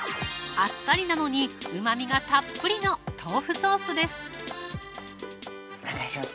あっさりなのに旨みがたっぷりの豆腐ソースですお願いします